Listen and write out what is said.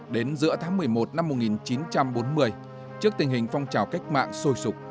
đến giữa tháng một mươi một năm một nghìn chín trăm bốn mươi trước tình hình phong trào cách mạng sôi sụp